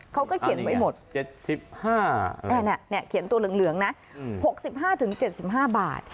เขาก็เขียนไว้หมด๗๕เขียนตัวเหลืองนะ๖๕๗๕บาท